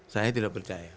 saya tidak percaya